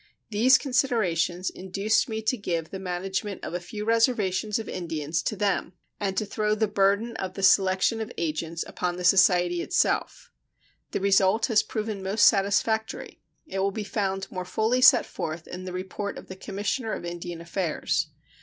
These considerations induced me to give the management of a few reservations of Indians to them and to throw the burden of the selection of agents upon the society itself. The result has proven most satisfactory. It will be found more fully set forth in the report of the Commissioner of Indian Affairs.